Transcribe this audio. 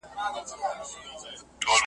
په پردي کور کي ژوند په ضرور دی ,